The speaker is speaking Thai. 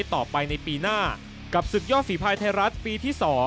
ต่อไปในปีหน้ากับศึกยอดฝีภายไทยรัฐปีที่๒